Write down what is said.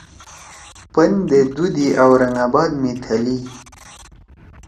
پندے دُو دی اورنگ آباد می تھلئی